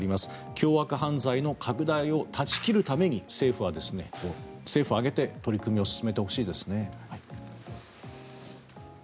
凶悪犯罪の拡大を断ち切るために政府を挙げて取り組みを進めてほしいですね。